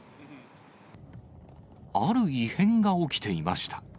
ある異変が起きていました。